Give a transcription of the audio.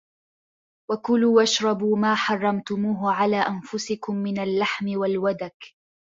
وَكُلُوا وَاشْرَبُوا مَا حَرَّمْتُمُوهُ عَلَى أَنْفُسِكُمْ مِنْ اللَّحْمِ وَالْوَدَكِ